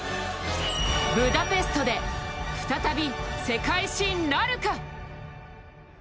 ブダペストで再び世界新なるか。